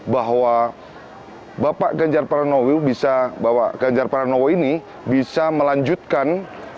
bahwa bapak ganjar pranowo ini bisa melanjutkan